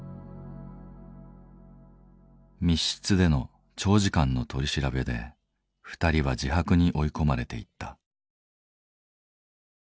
密室での長時間の取り調べで２人は自白に追い込まれていった。